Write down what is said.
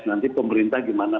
nanti pemerintah gimana